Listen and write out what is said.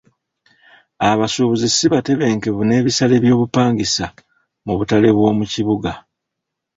Abasubuzi si batebenkevu n'ebisale by'obupangisa mu butale bw'omu kibuga.